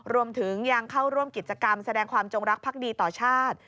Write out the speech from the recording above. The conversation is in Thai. รวมถึงยังเข้าร่วมกิจกรรมแสดงความจงรักภักดีต่อชาติ